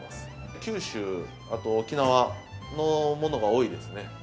九州、あと沖縄のものが多いですね。